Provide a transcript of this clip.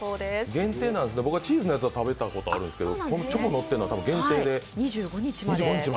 限定ですか、僕、チーズのやつは食べたことあるんですけどこのチョコがのっているのはたぶん限定で。